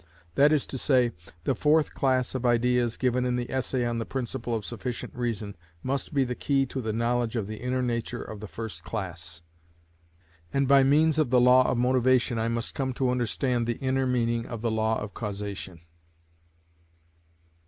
That is to say, the fourth class of ideas given in the Essay on the Principle of Sufficient Reason must be the key to the knowledge of the inner nature of the first class, and by means of the law of motivation I must come to understand the inner meaning of the law of causation.